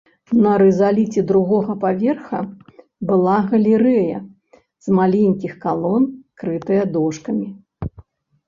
На рызаліце другога паверха была галерэя з маленькіх калон, крытая дошкамі.